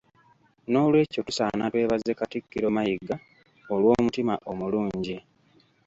Nolwekyo tusaana twebaze Katikkiro Mayiga olw'omutima omulungi.